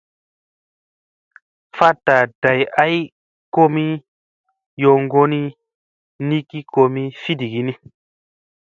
Faɗta day ay komi yoŋgona nikki komi fiɗigina.